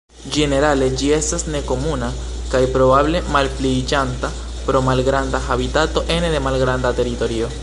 Ĝenerale ĝi estas nekomuna kaj probable malpliiĝanta pro malgranda habitato ene de malgranda teritorio.